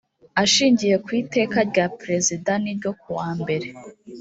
ashingiye ku iteka rya perezida n ryo kuwa mbere